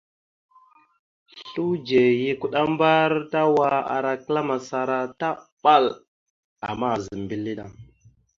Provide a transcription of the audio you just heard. Sludze ya kuɗambar tawa ara kəɗaməsara taɓal, ama aazam mbile da.